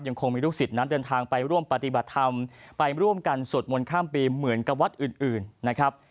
คงมีลูกศิษย์นั้นเดินทางไปร่วมปฏิบัติธรรมไปร่วมกันสวดมนต์ข้ามปีเหมือนกับวัดอื่นนะครับ